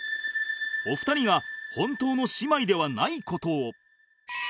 お二人が本当の姉妹ではない事を